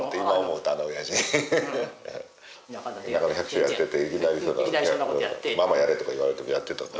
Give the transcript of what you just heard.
田舎の百姓やってていきなりママやれとか言われてもやってたから。